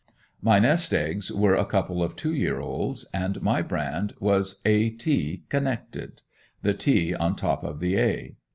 My nest eggs were a couple of two year olds, and my brand was A. T. connected the T. on top of the A.